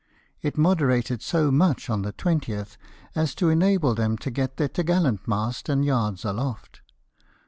It moderated so much on the 20th as to enable them to get their top gallant masts and yards aloft.